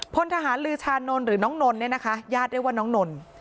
พลทหารลือชานนท์หรือน้องนนท์เนี่ยนะคะญาติเรียกว่าน้องนนท์